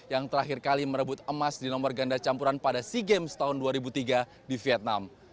yang terakhir kali merebut emas di nomor ganda campuran pada sea games tahun dua ribu tiga di vietnam